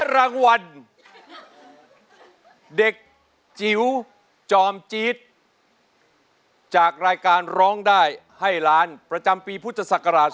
รางวัลเด็กจิ๋วจอมจี๊ดจากรายการร้องได้ให้ล้านประจำปีพุทธศักราช๒๕